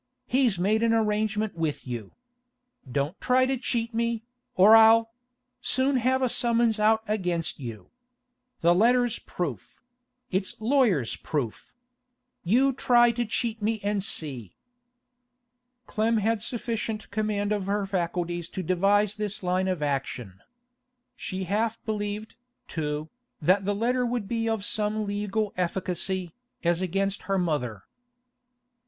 He's made arrangements with you. Don't try to cheat me, or I'll—soon have a summons out against you. The letter's proof; it's lawyer's proof. You try to cheat me and see.' Clem had sufficient command of her faculties to devise this line of action. She half believed, too, that the letter would be of some legal efficacy, as against her mother.